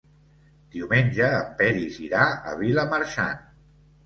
Diumenge en Peris irà a Vilamarxant.